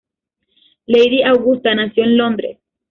Lady Augusta nació en Londres.